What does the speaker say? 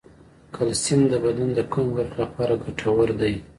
کلسیم د بدن د کومې برخې لپاره ګټور دی